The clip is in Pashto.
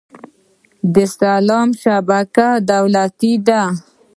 د سلام شبکه دولتي ده؟